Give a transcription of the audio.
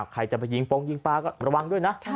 ใครจะไปยิงโปรงยิงปลาก็ระวังด้วยนะ